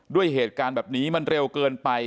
ด้วยเหตุการณ์แบบนี้มันเร็วเกินไป